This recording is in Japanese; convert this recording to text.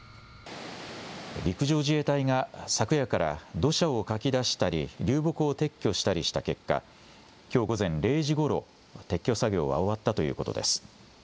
陸上自衛隊が昨夜から土砂をかき出したり、流木を撤去したりした結果、きょう午前０時ごろ、撤去作業は終わったということです。